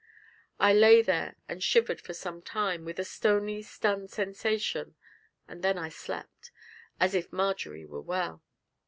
I lay there and shivered for some time, with a stony, stunned sensation, and then I slept as if Marjory were well.